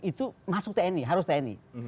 itu masuk tni harus tni